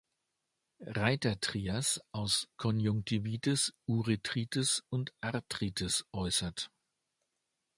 Reiter-Trias aus Konjunktivitis, Urethritis und Arthritis äußert.